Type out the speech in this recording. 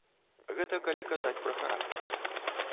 Гэта калі казаць пра характар.